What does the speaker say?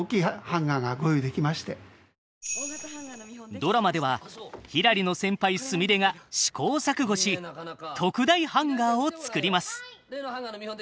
ドラマではひらりの先輩すみれが試行錯誤し特大ハンガーを作ります。